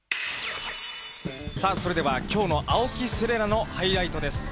さあ、それでは、きょうの青木瀬令奈のハイライトです。